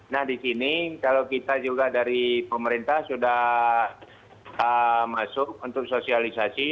nah di sini kalau kita juga dari pemerintah sudah masuk untuk sosialisasi